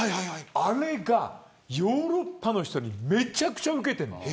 あれがヨーロッパの人にめちゃくちゃ、うけてるの。